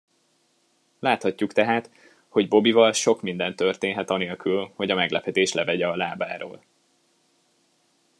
Láthatjuk tehát, hogy Bobbyval sok minden történhet anélkül, hogy a meglepetés levegye a lábáról.